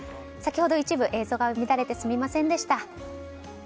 先ほど一部映像が乱れてすみませんでした。